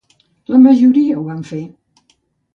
La majoria ho van fer.